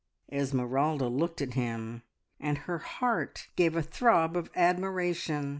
Esmeralda looked at him, and her heart gave a throb of admiration.